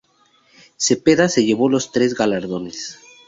Cepeda se llevó los tres galardones.